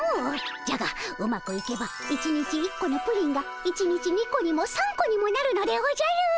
じゃがうまくいけば１日１個のプリンが１日２個にも３個にもなるのでおじゃる！